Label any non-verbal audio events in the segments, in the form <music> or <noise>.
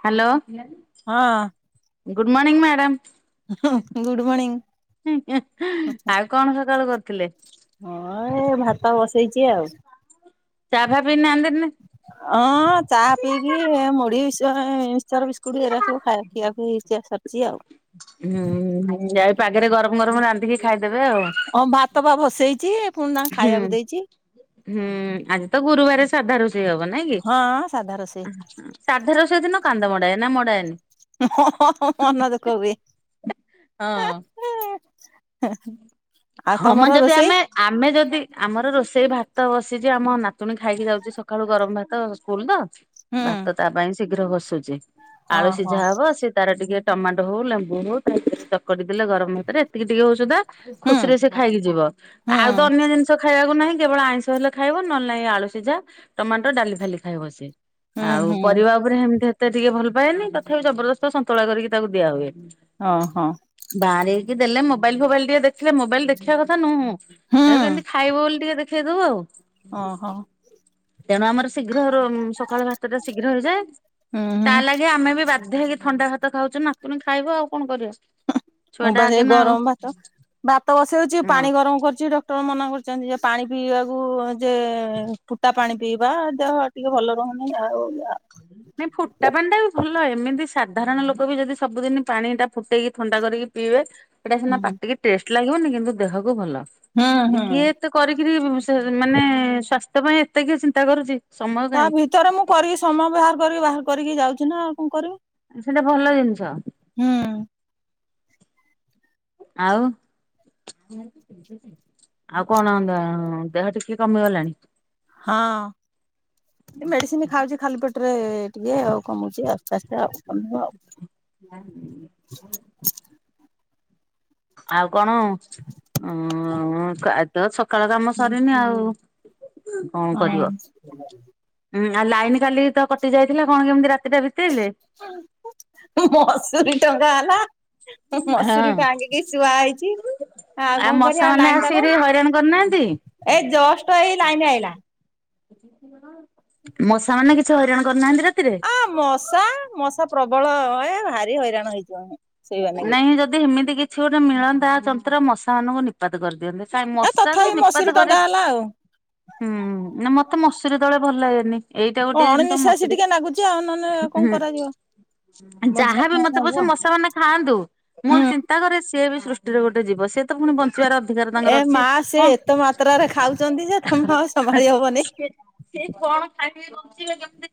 Hello good morning madam. ହୁଁ ହୁଁ good morning. ଉଁ ହୁଁ ଆଉ କଣ ସକାଳୁ କରୁଥିଲେ? ହଁ ଭାତ ବସେଇଚି ଆଉ। ଚାଆ ଫା ପିଇନାହାନ୍ତି? ଅଁ ଚାହା ପିଇକିି ଏ ମୁଢି ସ୍ <unintelligible> ମିକ୍ସଚର, ବିସ୍କୁଟ ଏରା ସବୁ ଖାଏ ଖିଆଖୁଇ ହେଇଚ ଯା ସାରଚି ଆଉ। ହୁଁ ହୁଁ ହୁଁ ଏଇ ପାଗରେ ଗରମ ଗରମ ରାନ୍ଧିକି ଖାଇ ଓ ଭାତ ପା ବସେଇଚି। ହୁଁ ହୁଁ ଆଜି ତ ଗୁରୁବାରେ ସ୍ ସାଧା ରୋଷେଇ ହବ ନାଇଁ କି ହଁ ସାଧା ରୋଷେଇ ଅଁହଁ ସାଧା ରୋଷେଇ ଦିନ କାନ୍ଦ ମଡାଏ ନା ମଡାଏନି? ହୁ ହ ହ ହ ହ ମନ ଦୁଃଖ ହୁଏ। ହଁ ଆଉ ହଁ ମ ତମର ଯଦି ରୋଷେଇ ଆମେ ଆମେ ଯଦି ଆମର ରୋଷେଇ ଭାତ ବସି ଯେ ଆମ ନାତୁଣୀ ଖାଇକି ଯାଉଚି ସକାଳୁ ଗରମ ଭାତ ସ୍କୁଲ ତ ହୁଁ। ଭାତ ତା ପାଇଁ ଶୀଘ୍ର ବସୁଚି ହଁ ହଁ। ଆଳୁସିଝା ହବ ସେ ତାର ଟିକେ ଟମାଟ ହୋଉ ଲେମ୍ବୁ ହୋଉ ତା <unintelligible> କରିଦେଲେ ଗରମ ଭାତରେ ଏତିକି ଟିକେ ହୋଉ ସୁଦା ହୁଁ ଖୁସିରେ ସିଏ ଖାଇକି ଯିବ ହୁଁ ଆଉ ତ ଅନ୍ୟ ଜିନିଷ ଖା ଖାଇବାକୁ ନାହିଁ କେବଳ ଆଇଁଷ ହେଲେ ଖାଇବ ନହେଲେ ନାଇଁ ଆଳୁ ସିଝା, ଟମାଟୋ, ଡାଲି ଫାଲି, ଖାଇବ ସିଏ। ହୁଁ ଆଉ ହୁଁ। ପରିବା ଓପରେ ହେମତି ହେତେ ଟିକେ ଭଲ ପାଏନି ତଥାପି ଜବରଦସ୍ତ ସନ୍ତୁଳା କରିକି ତାକୁ ଦିଆହୁଏ। ଓହୋ। ବାଆଁରେଇକି ଦେଲେ ମୋ ମୋବାଇଲ ଫୋବାଇଲ ଟିକେ ଦେଖିଲେ ମୋବାଇଲ ଦେଖିବା କଥା ନୁହୁଁ ଏ ହୁଁ କେମିତି ଖାଇବ ବୋଲି ଟିକେ ଦେଖେଇଦୋଉ ଆଉ। ଓହୋ। ତେଣୁ ଆମର ଶୀଘ୍ର ରୋ ଉମ୍ ସକାଳ ଭାତଟା ଶୀଘ୍ର ହେଇଯାଏ ହୁଁ ତା ଲାଗି ଆମେ ବି ବା ବାଧ୍ୟ ହେଇକି ଥଣ୍ଡା ଭାତ ଖାଉଚୁ ନାତୁଣୀ ଖାଇବ ଆଉ କଣ କରିବା ଛୁଆଟା ଆଗେ ନା ଆଉ। ତ ଭାତ ବସୋଉଚି ହଁ। ପାଣି ଗରମ କରଚି ଡ ଡକ୍ଟର ମନା କରଚନ୍ତି ଯେ ପାଣି ପିଇବାକୁ ଯେ ଫୁଟା ପାଣି ପିଇବା ଦେହ ଟିକେ ଭଲ ର ତମେ ଯାଉଚ। ନାଇଁ ଫୁଟା ପାଣି ଟା ବି ଭଲ ଏମିତି ସାଧାରଣ ଲୋକ ବି ଯଦି ସବୁଦିନି ପାଣିଟା ଫୁଟେଇକି ଥଣ୍ଡା କରିକି ପିଇବେ ସେଟା ସିନା ହୁଁ। ପାଟିକି ଟେଷ୍ଟ୍ ଲାଗିବନି କିନ୍ତୁ ଦେହକୁ ଭଲ ହୁଁ ଯେ ହୁଁ। କିଏ ଏତେ କରିକିରି ସେ ମାନେ ସ୍ଵାସ୍ ତ୍ୟ ପାଇଁ ଏତେ କିିଏ ଚିନ୍ତା କରୁଚି। ତା ଭିତରେ ମୁଁ କରିକି ସମୟ ବାହାର କରିକି ବାହାର କରିକି ଯାଉଚି ନା ଆଉ କଣ କରିବି। ଅଁ ସେଟା ଭଲ ଜିନିଷ। ହୁଁ। ଆଉ ଆଉ କଣ ଦେ ଦେହ ଟିକେ କମିଗଲାଣି? ହଁ ଏ ମେଡିସିନ ଖାଉଛି ଖାଲି ପେ ରେ ଟିକେ ଆଉ କମୁଛି ଆସ୍ତେ ଆସ୍ତେ ଆଉ କମିବ। ହ ଆଉ କଣ ଅ ଆଜି ତ ସକାଳ କାମ ସରିନି ଆଉ। କଣ କରିବ ହଁ ଉଁ ଆଉ ଲାଇନ କାଲି ତ କଟି ଯାଇଥିଲା କଣ କେମିତି ରା ମସୁରୀ ଟଙ୍କା ହେଲା। ହଁ ମସୁରୀ ଟାଙ୍ଗିକି ଶୁଆ ହେଇଛି। ଆଉ କଣ ମଶା କରିବା ମାନେ ଲାଇନ ତ ଆସିକିରି ହଇରାଣ କରିନାହାନ୍ତି? ନାଇଁ ଏ ଜଷ୍ଟ ଏଇ ଲାଇନ ଆଇଲା। ମଶା ମାନେ କିଛି ହଇରାଣ କରିନାହାନ୍ତି। ରାତିରେ? ଆ ମଶା ମଶା ପ୍ରବଳ ଏ ଭାରି ହଇରାଣ ହେଇଛୁ ଆମେ ସେଇବା ନାଗି ନାଇଁ ଯଦି ହେମିତି କିଛି ଗୋଟେ ମିଳନ୍ତା ଯନ୍ତ୍ର ମଶା ମାନଙ୍କୁ ନିପାତ କରିଦିଅନ୍ତେ। ନାଇ ଏ ମଶାକୁ ତଥାପି ନିପାତ ମଶୁରୀ କରି ଟଙ୍ଗା ହେଲା ଆଉ। ହୁଁ ମତେ ମଶୁରି ତଳେ ଭଲ ଲାଗେନି। ଏଇଟା ଗୋଟେ ଜିନିଷ ଅଣନିଶ୍ୱାସୀ ମସୁରି ଟିକେ ନାଗୁଛି ଆଉ ନହେଲେ କଣ ହୁଁ। କରାଯିବ ବଞ୍ଚିବା ଯାହାବି ପାଇଁ ମତେ ହେଲେ ପଛେ ହବ। ମଶା ମାନେ ଖାଆ ଥାଆନ୍ତୁ ମୁଁ ହୁଁ ଚିନ୍ତା କରେ ସିଏ ବି ସୃଷ୍ଟିରେ ଗୋଟେ ଜୀବ ସିଏ ତ ପୁଣି ବ ବଞ୍ଚିବାର ଅଧିକାର ତାଙ୍କର ଏ ଅଛି ମା ସେ ହଁ। ଏତେ ମାତ୍ରାରେ ଖାଉଛନ୍ତି ଯେ ତମେ ଆଉ ସମ୍ଭାଳି ହବନି। ସେ କଣ ଖାଇକି ବଞ୍ଚିବେ କେମିତି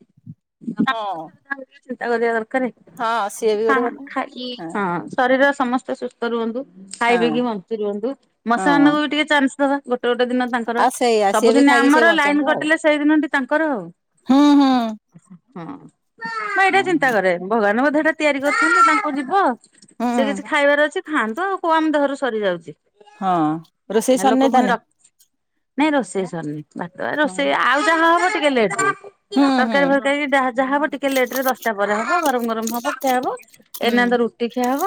ହଁ ତାଙ୍କ ତା ଚିନ୍ତା କରିବା ଦରକାର। କରେ ହଁ ସିଏ ବି ଗୋଟେ ହଁ କଥା ଖାଇକି ହଁ ଶରୀର ସମସ୍ତେ ସୁସ୍ଥ ରୁହନ୍ତୁ। ହଁ। ଖାଇପିକି ବଞ୍ଚି ରୁହନ୍ତୁ ମଶା ହଁ ମାନଙ୍କୁ ବି ଟିକେ ଚାନ୍ସ ଦବା ଗୋଟେ ଗୋଟ ଗୋଟେ ଦିନ ତାଙ୍କର ଆଉ ସେଇଆ ସିଏ ବି ସବୁଦିନ ଖାଇକି ସେ ଆମର ଲାଇନ ବଞ୍ଚନ୍ତୁ ଆଉ କଟିଲେ ସେଇ ଦିନଟି ତାଙ୍କର ଆଉ। ହୁଁ ହୁଁ। ହ ହଁ ମୁଁ ଏଇଟା ଚିନ୍ତା କରେ ଭଗବାନ ବୋଧେ ଏଇଟା ତିଆରି କରିଛନ୍ତି ତାଙ୍କୁ ଯିବ। ହୁଁ ସେ କିଛି ଖାଇବାର ଅଛି ଖାଆନ୍ତୁ ଆଉ କୁ ଆମ ଦେହରୁ ସରିଯାଉଛି। ହଁ ରୋଷେଇ ନା ସରିନି ଲୋକ ପୁଣି ତାନେ ରଖି ନାଇଁ ରୋଷେଇ ସରିନି ଭାତ ଏ ହଁ ରୋଷେଇ ଆଉ ଯାହା ହବ ଟିକେ ଲେଟକୁ ହୁଁ ହୁଁ ତରକାରୀ ଫରକାରୀ ଯା ଯାହା ହବ ଟିକେ ଲେଟ ରେ ଦଶଟା ପରେ ହବ ଗରମ ଗରମ ହବ ଖିଆ ହବ ଏଇନା ତ ହୁଁ। ରୁଟି ଖିଆ ହବ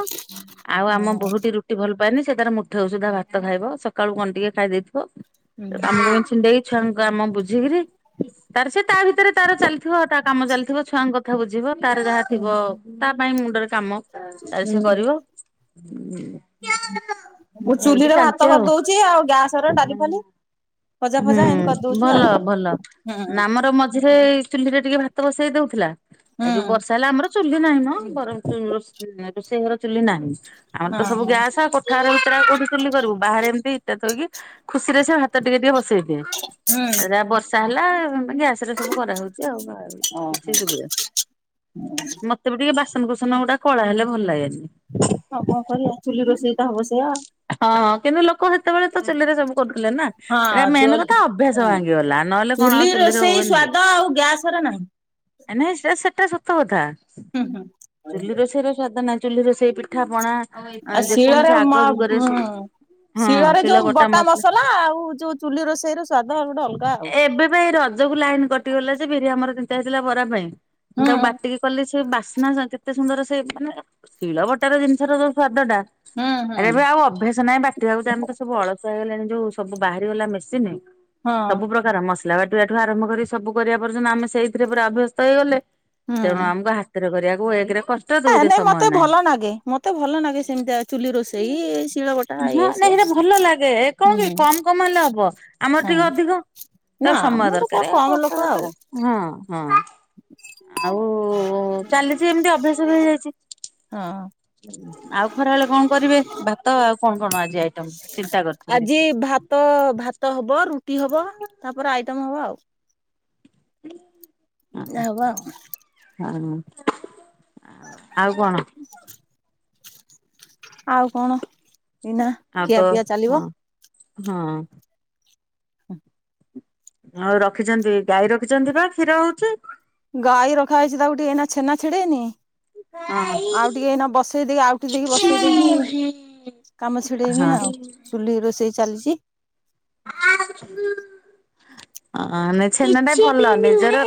ଆଉ ଓ ଆମ ବୋହୁଟି ରୁଟି ଭଲ ପାଏନି ସେ ତାର ମୁଠେ ସୁଦ୍ଧା ଭାତ ଖାଇବ ସକାଳୁ କଣ ଟିକେ ଖାଇ ଦେଇଥିବ? ହୁଁ ତ କାମ ଛିଣ୍ଡେଇ ଛୁଆଙ୍କ କାମ ବୁଝିକିରି ତାର ସେ ତା ଭିତରେ ତାର ଚାଲିଥିବ ତା କାମ ଚା ଚାଲିଥିବ ଛୁଆଙ୍କ କଥା ବୁଝିବ ତାର ଯାହା ହୁଁ। ଥିବ ତା ପାଇଁ ମୁଣ୍ଡରେ କାମ ତାର ସେ ହୁଁ କରିବ ହୁଁ। ମୁଁ ଏମିତି ଚୁଲିରେ ଚାଲିଛି ଭାତ ଆଉ। କରିଦଉଛି ଆଉ ଗ୍ୟାସ ର ଡାଲି ଫାଲି ଭଜା ହୁଁ ଫଜା ଏମିତି କରିଦଉଛି ଭଲ ଆଉ ଭଲ ହୁଁ ଆମର ମଝିରେ ଚୁଲିରେ ଟିକେ ଭା ଭାତ ବସେଇ ଦଉଥିଲା ହୁଁ ଏଇ ଯୋଉ ବର୍ଷା ହେଲା ଆମର ଚୁଲି ନାହିଁ ନ ଘର ଭି ରୋଷେଇ ଘର ଚୁଲି ନାହିଁ। ଆମର ତ ହଁ ସବୁ ହଁ ଗ୍ୟାସ୍ ଆ କୋଠା ଘର ଭିତରେ ଆଉ କୋଉଠି ଚୁଲି କରିବୁ ବାହାରେ ଏମିତି ଇଟା ଥୋଇକି ଖୁସିରେ ସେ ଭାତ ଟିକେ ଟିକେ ବସେଇ ଦିଏ ହୁଁ ଆଉ ଯାହା ବର୍ଷା ହେଲା ମାନେ ଗ୍ୟାସ ରେ ସବୁ କରାହଉଛି ଆଉ ଆଉ କିଛି ଓହୋ ସୁବିବ ନି ମତେ ବି ଟିକେ ବାସ ବାସନ କୁସନ ଗୁଡ଼ା ହଁ କଣ କରିବା ଚୁଲି ରୋଷେଇ ତ ହବ ସେଆ। ହଁ କିନ୍ତୁ ଲୋକ ହେତେବେଳେ ତ ଚୁଲିରେ ସବୁ କରୁଥିଲେ ନା ହଁ ଏଟା ମେନ୍ ଚୁଲି କଥା ଅଭ୍ୟାସ ହୁଁ ଭାଙ୍ଗିଗଲା। ନହେଲେ କଣ ଆଉ ଚୁଲିରେ ହୁଏନି କି? ଗ୍ୟାସ୍ ରେ ନାହିଁ। ଏ ନେହେ ସେ ସେଟା ସତ କଥା ହୁଁ ହୁଁ ଚୁଲି ରୋଷେଇର ସ୍ୱାଦ ନାହିଁ। ଚୁଲି ରୋଷେଇ ପିଠା ପଣା ଆ ଆଉ ଶିଳରେ ଯେକୌଣସି ଆଗ ଯୁ ମ ଅ ଶିଳରେ ଯୋଉ ବଟା ମସଲା ଆଉ ଯୋଉ ଚୁଲି ରୋଷେଇ ର ସ୍ଵାଦ ଗୋଟେ ଅଲଗା ଆଉ। ଏବେ ରଜକୁ ଲାଇନ କଟି ଗଲା ସେ ବିରି ଆମର ଚିନ୍ତା ହେଇଥିଲା ବରା ପାଇଁ ମୁ ହୁଁ ତାକୁ ବାଟିକି କଲି ସେ ବାସ୍ନା କେତେ ସୁନ୍ଦର ସେ ମାନେ ଶିଳ ବଟାର ଜିନିଷର ଯୋଉ ସ୍ଵାଦ ଟା ହୁଁ ଆରେ ହୁଁ ଏବେ ଆଉ ଅଭ୍ୟାସ ନାହିଁ ବାଟିବାକୁ ତ ସବୁ ଅଳସୁଆ ହେଇଗଲାଣି ଯୋଉ ସବୁ ବାହାରିଗଲା ମେସିନ୍। ହଁ ସବୁ ପ୍ରକାର ମସଲା ବାଟ ଏଠୁ ଆରମ୍ଭ କରି ସବୁ କରିବା ପର୍ଯ୍ୟନ୍ତ ଆମେ ସେଇଥିରେ ପୁରା ଅଭ୍ୟସ୍ତ ହେଇଗଲେ। ତେଣୁ ଆମକୁ ହାତରେ କରିବା ହୁଏ ଏକରେ କଷ୍ଟ ହେ ଦୁଇରେ ନାଇଁ ସମୟ ମତେ ନାହିଁ। ଭଲ ଲାଗେ ମତେ ଭଲ ଲାଗେ ସେମିତିଆ ଚୁଲି ରୋଷେଇ। ସେଇ ଶିଳ ବଟା ହଁ ଇଏ ନାଇଁ ସିଏ ସେଇଟା ଭଲ ଲାଗେ କଣ କି ହୁଁ କମ କମ ହେଲେ ହବ ଆମର ଟିକେ ହୁଁ। ଅଧିକ। ନା ତାକୁ ସମୟ ଆମର ଦରକାର କମ୍ କଷ୍ଟ ଲୋକ ଦରକାର ଆଉ। ହଁ ହଁ। ଆଉ ଚାଲିଛି ଏମିତି ଅଭ୍ୟାସ ବି ହେଇଯାଇଛି। ହଁ। ଆଉ ଖରା ବେଳେ କଣ କରିବେ ଭାତ ଆଉ କଣ କଣ ଆଜି ଆଇଟମ ଚିନ୍ତା କରୁଛନ୍ତି? ଆଜି ଭାତ ଭାତ ହବ ରୁଟି ହବ ତାପରେ ଆଇଟମ ହବ ଆଉ। <inaudible> ହବ ଆଉ। ଆ ଆଉ କଣ? <inaudible> ଆଉ କଣ ଏଇନା ଆଉ ତ ଖିଆ ପିଆ ଚାଲିବ। ହଁ। ହଁ। ଆଉ ରଖିଛନ୍ତି ଗାଈ ରଖିଛନ୍ତି ବା କ୍ଷୀର ହଉଛି। ଗାଈ ରଖାଯାଇଛି ତାକୁ ଟିକେ ଏଇନା ଛେନା ଛିଡେନି। ହଁ ଆଉ ଟିକେ ଏଇନା ବସେଇ ଦେଇକି ଆଉ ଟିକେ ଦେଇକି ବସେଇ ଦେଇକି କାମ ଛିଡେଇମି ଆଉ ଚୁଲି ରୋଷେଇ ଚାଲିଛି। ଅ ମାନେ ଛେନାଟା ଭଲ ନିଜର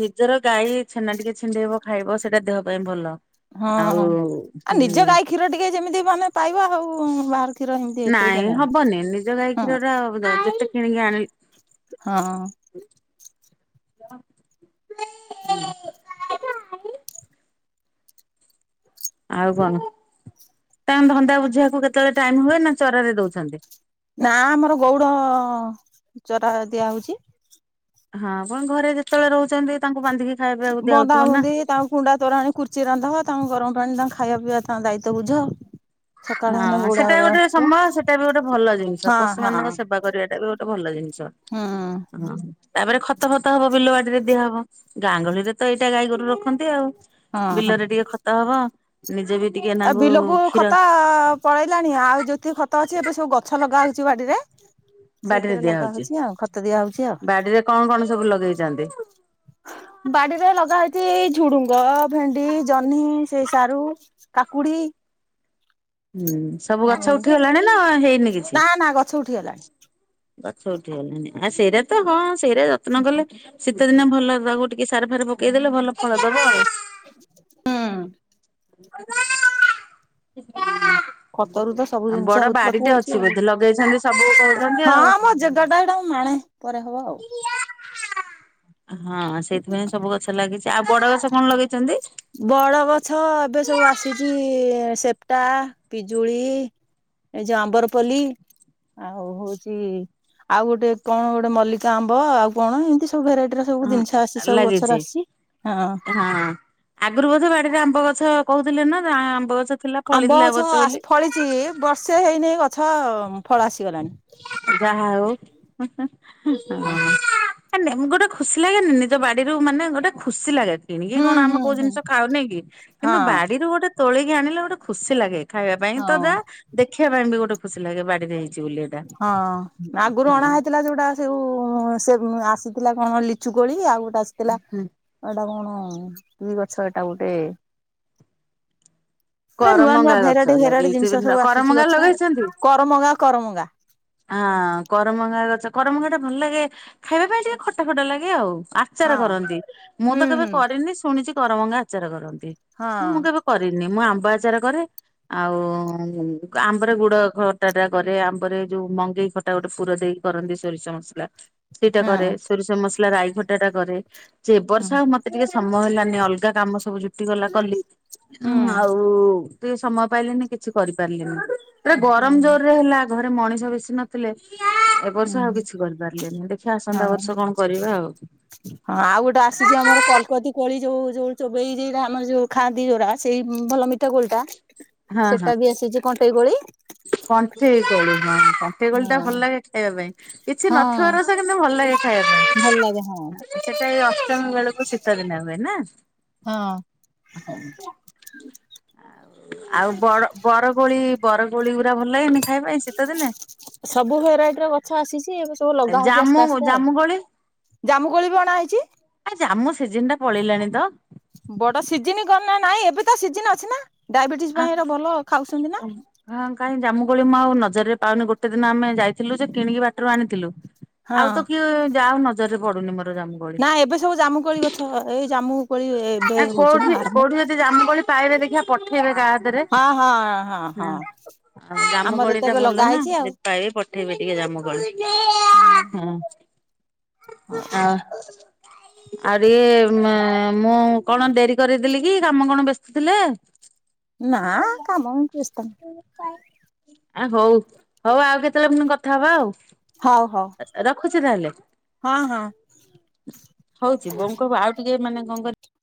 ନିଜର ଗାଈ ଛେନା ଟିକେ ଛିଣ୍ଡେଇବ ଖାଇବ ସେଇଟା ଦେହ ପାଇଁ ଭଲ। ହଁ ଆଉ ଆଉ ନିଜ ହୁଁ। ଗାଈ କ୍ଷୀର ଟିକେ ଯେମିତି ମାନେ ପାଇବା ଆଉ ବାହାର କ୍ଷୀର ଏମିତି ହେତେ ନାଇଁ ଆଜ୍ଞା ମ୍ୟାମ। ହବନି ନିଜ ଗାଈ କ୍ଷୀରଟା ଯେତେ କିଣିକି ଆଣିକି ଆଣିଲେ ହଁ। <inaudible> ଆଉ କଣ ତାଙ୍କ ଧନ୍ଦା ବୁଝିବାକୁ କେତେବେଳେ ଟାଇମ ହୁଏ ନା ଚରାରେ ଦଉଛନ୍ତି? ନା ଆମର ଗଉଡ ଚରା ଦିଆ ହଉଚି। ହଁ ଆପଣ ଘରେ ଯେତେବେଳେ ରହୁଛନ୍ତି ତାଙ୍କୁ ବାନ୍ଧିକି ଖାଇବା ପିଇବାକୁ ବନ୍ଧା ଦିଆହଉଥିବ ନା। ବନ୍ଧି ତାଙ୍କୁ କୁଣ୍ଡା ତୋରାଣି ଖୁର୍ଚି ରାନ୍ଧ। ତାଙ୍କ ଗରମ ପାଣି ତାଙ୍କ ଖାଇବା ପିଇବା ତାଙ୍କ ଦାୟିତ୍ଵ ବୁଝ। ସକାଳେ ହେଲେ ହଁ ଗଉଡା ସେଟା ଗୋଟେ ଆସିବ ସମ୍ଭବ ସେଇଟା ବି ଗୋଟେ ଭଲ ଜିନିଷ ହଁ ପଶୁ ହଁ ମାନଙ୍କ ସେବା କରିବାଟା ବି ଗୋଟେ ଭଲ ଜିନିଷ। ହୁଁ। ହଁ। ତାପରେ ଖତ ଫତ ହବ ବିଲବାଡିରେ ଦିଆହବ ଗାଁ ଗାଉଳିରେ ତ ଏଇଟା ଗାଈ ଗୋରୁ ରଖନ୍ତି ଆଉ। ହଁ ବିଲରେ ଟିକେ ଖତ ହବ ନିଜେ ବି ଟିକେ ଆ ନାଙ୍କୁ ବିଲକୁ କ୍ଷୀର ଖତ ପଳେଇଲାଣି ଆଉ ଯେତିିକି ଖତ ଅଛି ଏବେ ସବୁ ଗଛ ଲଗାହଉଛି ବାଡିରେ। ବାଡିରେ ସେଇଥିରେ ଦିଆ ଲଗା ହଉଛି ଆଉ ଖତ ଦିଆ ହଉଛି ଆଉ ବାଡିରେ କଣ କଣ ସବୁ ଲଗେଇଚନ୍ତି? ବାଡିରେ ଲଗା ହଇଛି ଏଇ ଝୁଡୁଙ୍ଗ, ଭେଣ୍ଡି, ଜହ୍ନି, ସେ ସାରୁ, କାକୁଡି। ହୁଁ ସବୁ ଆଉ ଗଛ ଉଠିଗଲାଣି ନା ହେଇନି। କିଛି? ନା ନା ଗଛ ଉଠିଗଲାଣି। ଗଛ ଉଠି ଗଲାଣି ଆ ସେଇଟା ତ ହଁ ସେଇଟା ଯତ୍ନ କଲେ କେତେ ଦିନ ଭଲ ଦବ ଟିକେ ସାର ଫାର ପକେଇଦେଲେ ଭଲ ଫଳ ଦବ ଆଉ। ହୁଁ। ଖତରୁ ତ ସବୁ <inaudible> ଜିନିଷ ବଡ ଉତ୍ପତ୍ତି ବାଡିଟେ ହଉଛି ଅଛି ଆଉ ବୋଧେ ଲଗେଇଛନ୍ତି ସବୁ କରୁଛନ୍ତି ଆଉ। ହଁ ମୋ ଜେଗା ଟା ଏଇଟା ମୁଁ ମାଣେ ପରେ ହବ ଆଉ। <unintelligible> ହଁ ସେଇଥିପାଇଁ ସବୁ ଗଛ ଲାଗିଛି। ତା ବଡ଼ ଗଛ କଣ ଲଗେଇଛନ୍ତି? ବଡ ଗଛ ଏବେ ସବୁ ଆସିଛି-ଇ-ଇ-ଇ ସେପ୍ଟା, ପିଜୁଳି। ଏଇ ଯୋଉ ଆମ୍ବରପଲ୍ଲୀ। ଆଉ ହଉଛି ଆଉ ଗୋଟେ କଣ ଗୋଟେ ମଲ୍ଲିକା ଆମ୍ବ ଆଉ କଣ ଏମତି ସବୁ। ସବୁ ଭେରାଇଟିର ସବୁ ହଁ ଜିନିଷ ଆସି ସବୁ ଲାଗିଛି। ଗଛର ଆସିଚି ହଁ। ହଁ। ଆଗରୁ ବୋଧେ ବାଡିରେ ଆମ୍ବ ଗଛ କହୁଥିଲେ ନା ଆ ଆମ୍ବ ଗଛ। ଥିଲା ଆମ୍ବ ଫଳିଥିଲା ଏ ଗଛ ବର୍ଷ ଆସ ବୋଲି। ଫଳିଛି ବର୍ଷେ ହେଇନେଇ ଗଛ ଫଳ ଆସ <unintelligible> ଯାହା ହଉ ହି ହି <unintelligible> ମାନେ ଗୋଟେ ଖୁସି ଲାଗେନି ନିଜ ବାଡିରୁ ମାନେ ଗୋଟେ ଖୁସି ଲାଗେ। କିଣିକି ହୁଁ କଣ ଆମେ ହୁଁ କଉ ହୁଁ ଜିନିଷ ଖାଉନେକି। ହଁ କିନ୍ତୁ ବାଡିରୁ ଗୋଟେ ତୋଳିକି ଆଣିଲେ ଗୋଟେ ଖୁସି ଲାଗେ। ଖାଇବା ପାଇଁ ହଁ ତ ଯା, ଦେଖିବା ପାଇଁ ବି ଗୋଟେ ଖୁସି ଲାଗେ ବାଡିରେ ହେଇଛି ବୋଲି। ଏଇଟା। ହଁ ଆଗରୁ ଅଣା ହଁ ହେଇଥିଲା ଯୋଉଟା ସେଉ ସେ ଆସ ଆସିଥିଲା କଣ ଲିଚୁ କୋଳି ଆଉ ଗୋଟେ ଆସିଥିଲା ଏଟା କଣ ହଁ କି ଗଛ ଏଟା ଗୋଟେ। <inaudible> ଏ ନୂଆ ନୂଆ କରମଙ୍ଗା ଗଛ ଭେରାଇଟି ଭେରାଇଟି ଜିନିଷ ଲଗେଇଥିବ। ସବୁ ଆସୁଛି କରମଙ୍ଗା ଗଛ ଆଉ। ଲଗେଇଛନ୍ତି? କରମଙ୍ଗା କରମଙ୍ଗା ହଁ କରମଙ୍ଗା ଗଛ କରମଙ୍ଗା ଟା ଭଲ ଲାଗେ ଖାଇବା ପାଇଁ ଟିକେ ଖଟା ଖଟା ଲାଗେ ଆଉ। ଆଚାର ହଁ କରନ୍ତି ମୁଁ ହୁଁ ତ କେବେ ହୁଁ କରିନି ଶୁଣିଛି କରମଙ୍ଗା ଆଚାର କରନ୍ତି। ହଁ ମୁଁ କେବେ କରିନି ମୁଁ ଆମ୍ବ ଆଚାର କରେ ଆଉ ଆମ୍ବରେ ଗୁଡ ଖଟା ଟା କରେ। ଆମ୍ବରେ ଯୋଉ ମଙ୍ଗେଇ ଖଟା ଗୋଟେ ପୁର ଦେଇ କରନ୍ତି ସୋରିଷ ମସଲା। ସେଇଟା କରେ, ହଁ ସୋରିଷ ମସଲା ରାଇ ଖଟା ଟା କରେ। ଯେ ଏ ବର୍ଷ ହୁଁ ଆଉ ମତେ ଟିକେ ସମୟ ହେଲା ଅଲଗା କାମ ସବୁ ଜୁଟି ଗଲା କଲି। ହୁଁ ଆ ଉ ଟିକେ ସମୟ ପାଇଲିନି କିଛି କରିପାରିଲିନି। ପୁରା ଗରମ ହୁଁ ଜୋରରେ ହେଲା। ଘରେ ମଣିଷ ବେଶୀ ନଥିଲେ <unintelligible> ଏ ବର୍ଷ ହୁଁ ଆଉ କିଛି କରିପାରିଲିନି ଦେଖିବା ଆସନ୍ତା ହଁ ବର୍ଷ ହଁ କଣ କରିବା। ଆଉ ଗୋଟେ ଆସିଛି ଆମର <unintelligible> କଲକତି କୋଳି ଯୋଉ ଯୋଉ ଚୋବେଇ ଯଟା ଆମର ଯୋଉ ଖାଆନ୍ତି ଯୋଉରା ସେଇ ଭଲ ମିଠା କୋଳି ଟା। ହଁ ହଁ ସେଟା ବି ଆସିଛି କଣ୍ଟେଇ କୋଳି କଣ୍ଠେଇ କୋଳି ହଁ କଣ୍ଠେଇ କୋଳି ଟା ହଁ ଭଲ ଲାଗେ ଖାଇବା ପାଇଁ କିଛି ନଥିବ ହଁ ରସ କିନ୍ତୁ ଭଲ ଲାଗେ ଖାଇବା ଭଲ ଲାଗେ ହଁ ପାଇଁ ସେଟା ଏ ଅଷ୍ଟମୀ ବେଳକୁ ଶୀତ ଦିନ ହୁଏ ନା। ହଁ। ଆଉ ବର ବରକୋଳି ବରକୋଳି ଗୁରା ଟା ଭଲ ଲାଗେନି ଖାଇବା ପାଇଁ ଶୀତ ଦିନେ। ସବୁ ଭେରାଇଟିର ଗଛ ଆସିଛି ଏବେ ସବୁ ଲଗା ହଉଛି ଆସ୍ତେ ଜାମୁ ଆସ୍ତେ ଆଉ ଜାମୁ କୋଳି, ଜାମୁକୋଳି ବି ଅଣା ହେଇଛି। ଆ ଜାମୁ ସିଜନ। ତିନିଟା ପଳେଇଲାଣି ତ। ବଡ ସିଜିିନ ଗନା ନାଇଁ ଏବେ ତ ସିଜିନ୍ ଅଛି ନା। ଡାଇବେଟିସ ପାଇଁ ଏଟା ଭଲ ଖାଉଛନ୍ତି ନା। ହଁ କାହିଁ ମୁଁ ଜାମୁକୋଳି ଆଉ ନଜରରେ ପାଉନି ଗୋଟେ ଦିନ ଆମେ ଯାଇଥିଲୁ ଯେ କିଣିକି ବାଟରୁ ଆଣିଥିଲୁ। ହଁ ଆଉ ତ କିଏ ଯାଅ ନଜରରେ ପଡୁନି ମତେ। ନା ଏବେ ସବୁ ଜାମୁ କୋଳି ଗଛ ଏଇ ଜାମୁ କୋଳି ଏବେ ହଉଛି କୋଉଠି ନା ଆରମ୍ଭ। କୋଉଠି ଯଦି ଜାମୁକୋଳି ପାଇବେ ଦେଖିବା ପଠେଇବେ କାହା ହାତରେ ହଁ, ହଁ, ହଁ। ନା। ହଁ। ଆଉ ଜାମୁ ଆମର କୋଳି ତ ଟା ଏବେ ଭଲ ଲଗା ନା ହେଇଛି ଆଉ। ଯଦି ପାଇବି ପଠେଇବି ଟିକେ ଜାମୁ କୋଳି। ହଉ ହ ଆ ଆହୁରି ଏ ମୁଁ କଣ ଡେରି କରିଦେଲି କି କାମ କଣ ବ୍ୟସ୍ତ ଥିଲେ? ନା କାମ ବ୍ୟସ୍ତ ଆ ହଉ, ହଉ ଆଉ କେତେବେଳେ ପୁଣି କଥା ହବା ଆଉ। ହଉ ହଉ। ଚି ତାହେଲେ ହଁ ହଁ। ହଉଛି ବୋଉଙ୍କୁ କହିବୁ ଆଉ ଟିକେ ମାନେ କଣ କହିଲେ